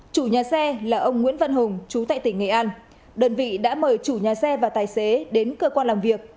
chủ nhà xe là ông nguyễn văn hùng chú tại tỉnh nghệ an đơn vị đã mời chủ nhà xe và tài xế đến cơ quan làm việc